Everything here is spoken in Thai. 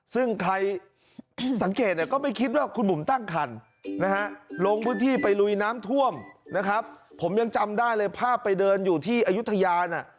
ซึ่งใครสังเกตเนี่ยก็ไม่คิดว่าคุณบุ๋มตั้งคันนะฮะลงพื้นที่ไปลุยน้ำท่วมนะครับผมยังจำได้เลยภาพไปเดินอยู่ที่อายุทยาน่ะ